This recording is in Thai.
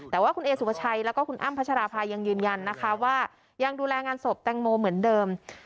แต่ว่าคุณเอสุภาชัยแล้วก็คุณอ้ำพัชราภายังยืนยันนะคะว่ายังดูแลงานศพแตงโมเหมือนเดิม